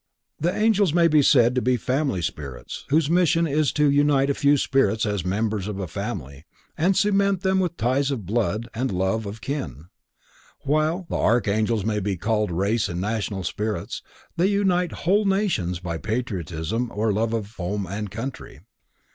The Angels may be said to be family spirits whose mission is to unite a few spirits as members of a family, and cement them with ties of blood and love of kin, while the Archangels may be called race and national spirits, as they unite whole nations by patriotism or love of home and country.